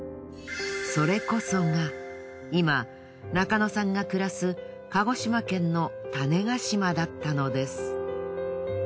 それこそが今中野さんが暮らす鹿児島県の種子島だったのです。